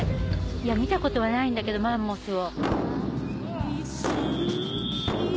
見たことはないんだけどマンモスを。